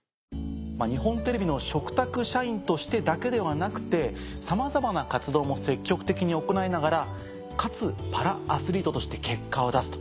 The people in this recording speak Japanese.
日本テレビの嘱託社員としてだけではなくてさまざまな活動も積極的に行いながらかつパラアスリートとして結果を出すと。